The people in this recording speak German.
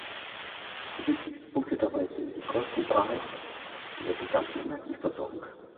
Die wichtigsten Punkte dabei sind die Kostenwahrheit in der gesamten Energieversorgung.